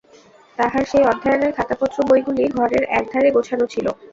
তাহার সেই অধ্যয়নের খাতাপত্রবইগুলি ঘরের একধারে গোছানো ছিল।